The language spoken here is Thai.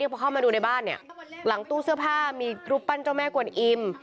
พอเข้ามาดูในบ้านเนี่ยหลังตู้เสื้อผ้ามีรูปปั้นเจ้าแม่กวนอิ่ม